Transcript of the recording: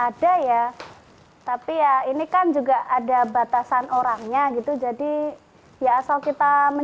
ada ya tapi ya ini kan berbeda beda ya tapi ya ini kan berbeda beda ya tapi ya ini kan berbeda beda